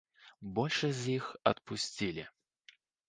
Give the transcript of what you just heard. Большасць з іх адпусцілі.